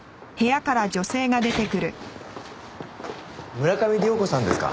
村上涼子さんですか？